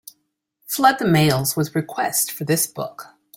Flood the mails with requests for this book.